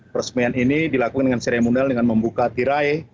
peresmian ini dilakukan dengan seremonial dengan membuka tirai